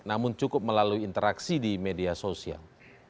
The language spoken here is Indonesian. namun cukup melalui interaksi di media sosial